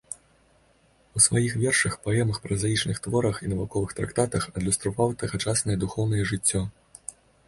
У сваіх вершах, паэмах, празаічных творах і навуковых трактатах адлюстраваў тагачаснае духоўнае жыццё.